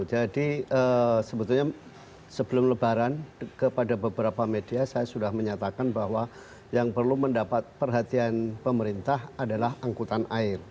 jadi sebetulnya sebelum lebaran kepada beberapa media saya sudah menyatakan bahwa yang perlu mendapat perhatian pemerintah adalah angkutan air